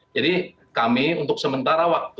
jadi kami untuk sementara waktu